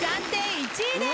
１位です！